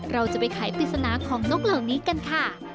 เราจะไปไขปริศนาของนกเหล่านี้กันค่ะ